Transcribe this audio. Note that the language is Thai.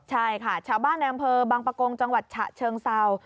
ใช่ค่ะชาวบ้านในอำเภอบางปะโกงจังหวัดฉะเชิงเศร้า